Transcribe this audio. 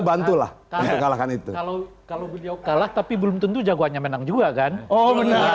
bantulah kalahkan itu kalau kalau beliau kalah tapi belum tentu jagoannya menang juga kan oh